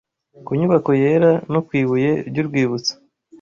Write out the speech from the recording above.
ku nyubako yera no ku ibuye ry’urwibutso